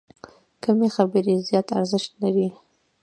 کمې خبرې، زیات ارزښت لري.